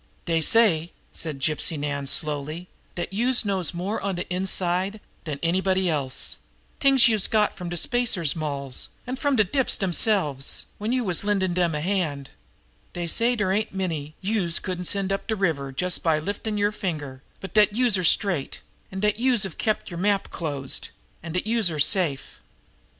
"Dey say," said Gypsy Nan slowly, "dat youse knows more on de inside here dan anybody else t'ings youse got from de spacers' molls, an' from de dips demselves when youse was lendin' dem a hand; dey say dere ain't many youse couldn't send up de river just by liftin' yer finger, but dat youse're straight, an' dat youse've kept yer map closed, an' dat youse' re safe."